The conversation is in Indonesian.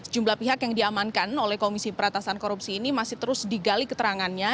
jumlah pihak yang diamankan oleh komisi peratasan korupsi ini masih terus digali keterangannya